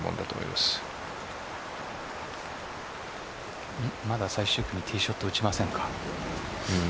まだ最終組ティーショットを打ちませんか。